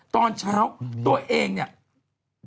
ตอนเช้าตัวเองเนี่ย